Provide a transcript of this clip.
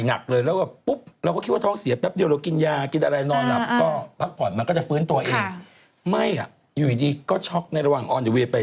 ไม่ได้สุดฮาร์ดแอตแท็กแต่เริ่มจากท้องเสียแล้วก็หมดแรงไงพี่